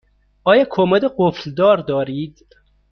آیا کمد قفل دار دارید؟